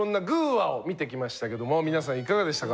話」を見てきましたけども皆さんいかがでしたか？